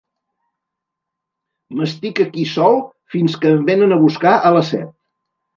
M'estic aquí sol fins que em venen a buscar a les set.